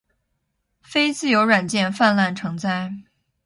非自由软件泛滥成灾